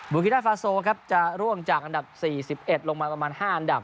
บุคิดาฟาโซจะร่วมจากอันดับ๔๑ลงมาประมาณ๕อันดับ